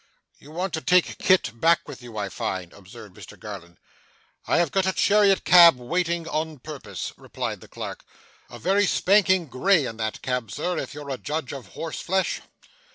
'You want to take Kit back with you, I find?' observed Mr Garland. 'I have got a chariot cab waiting on purpose,' replied the clerk. 'A very spanking grey in that cab, sir, if you're a judge of horse flesh.